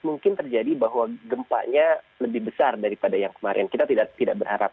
mungkin terjadi bahwa gempanya lebih besar daripada yang kemarin kita tidak berharap